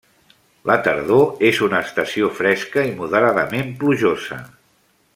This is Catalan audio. La tardor és una estació fresca i moderadament plujosa.